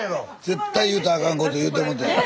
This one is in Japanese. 絶対言うたらあかんこと言うてもうたよ。